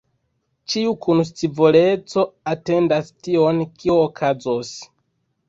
Ĉiu kun scivoleco atendas tion, kio okazos.